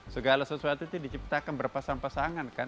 segala sesuatu itu diciptakan berpasangan pasangan kan